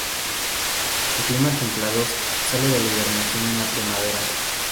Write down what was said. En climas templados sale de la hibernación en la primavera.